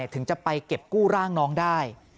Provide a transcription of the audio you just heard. ถึงจะไปเก็บกู้ร่างน้องได้